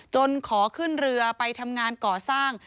ขอขึ้นเรือไปทำงานก่อสร้าง